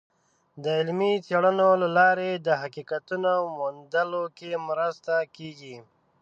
د علمي څیړنو له لارې د حقیقتونو موندلو کې مرسته کیږي.